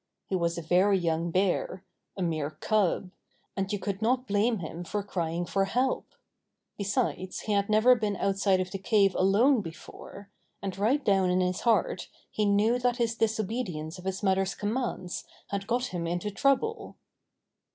He was a very young bear — a mere cub — and you could not blame him for crying for help. Besides he had never been outside of the cave alone before, and right down in his heart he knew that his disobedience of his mother's commands had got him into trouble.